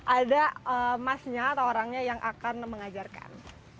ada masnya atau orangnya yang akan mengajarkan